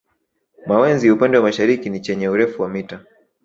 Mawenzi upande wa mashariki ni chenye urefu wa mita